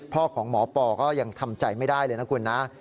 พ่อของหมอปอก็ยังทำใจไม่ได้เลยนะคุณนะ